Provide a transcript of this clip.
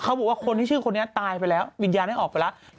เขาบอกว่าคนที่ชื่อคนนี้ตายไปแล้ววิญญาณได้ออกไปแล้ว